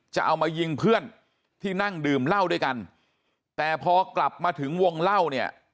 จะเอามายิงเพื่อนที่นั่งดื่มเหล้าด้วยกันแต่พอกลับมาถึงวงเล่าเนี่ย